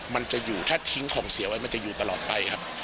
มันจะอยู่ถ้าทิ้งของเสียไว้มันจะอยู่ตลอดไปครับ